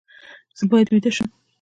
زه باید ویده شم